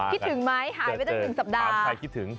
คิดถึงไหมหายไปตั้ง๑สัปดาห์ถามใครคิดถึง